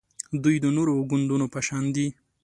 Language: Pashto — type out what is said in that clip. دوی د نورو ګوندونو په شان دي